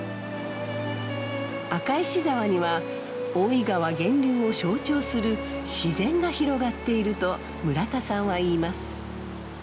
赤石沢には大井川源流を象徴する自然が広がっていると村田さんは言います。